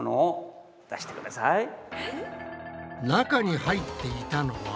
中に入っていたのは。